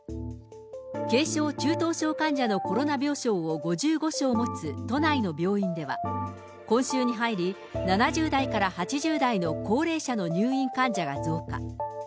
軽症、中等症患者のコロナ病床を５５床持つ都内の病院では、今週に入り、７０代から８０代の高齢者の入院患者が増加。